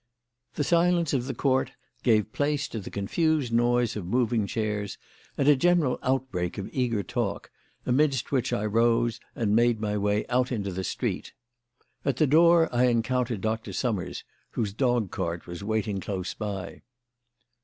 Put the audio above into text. The silence of the Court gave place to the confused noise of moving chairs and a general outbreak of eager talk, amidst which I rose and made my way out into the street. At the door I encountered Dr. Summers, whose dog cart was waiting close by.